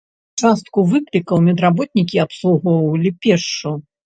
Частку выклікаў медработнікі абслугоўвалі пешшу.